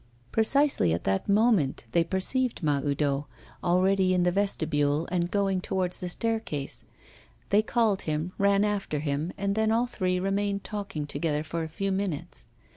Precisely at that moment they perceived Mahoudeau, already in the vestibule, and going towards the staircase. They called him, ran after him, and then all three remained talking together for a few minutes.